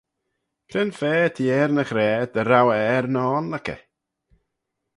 Cre'n fa t'eh er ny ghra dy row eh er ny oanluckey?